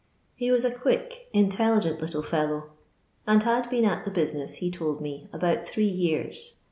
He was a quick, intelligent little fellow, and had been at the bosbess, he told me, about three years.